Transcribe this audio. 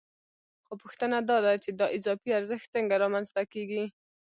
خو پوښتنه دا ده چې دا اضافي ارزښت څنګه رامنځته کېږي